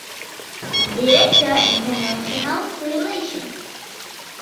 ޑިރެކްޓަރ، އިންޓަރނޭޝަނަލް ރިލޭޝަންސް